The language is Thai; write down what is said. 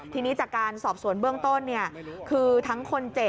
ทีนี้จากการสอบส่วนเบื้องต้น